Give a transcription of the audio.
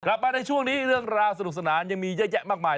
กลับมาในช่วงนี้เรื่องราวสนุกสนานยังมีเยอะแยะมากมาย